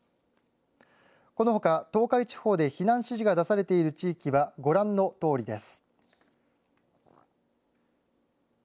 このほか東海地方で避難指示が出されている地域はご覧のとおりです。